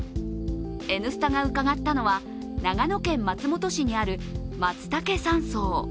「Ｎスタ」が伺ったのは長野県松本市にある松茸山荘。